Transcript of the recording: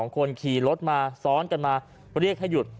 คนขี่รถมาซ้อนกันมาเรียกให้หยุด